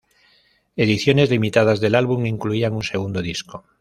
Ediciones limitadas del álbum incluían un segundo disco.